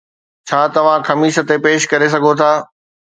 ڇا توهان خميس تي پيش ڪري سگهو ٿا؟